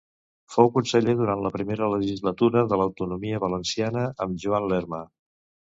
Fou conseller durant la primera legislatura de l'autonomia valenciana amb Joan Lerma.